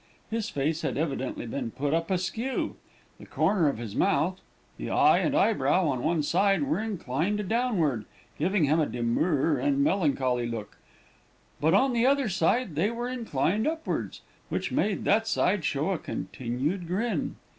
His face had evidently been put up askew. The corner of his mouth, the eye and eyebrow on one side were inclined downward, giving him a demure and melancholy look; but on the other side they were inclined upwards, which made that side show a continued grin.